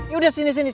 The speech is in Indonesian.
yaudah sini sini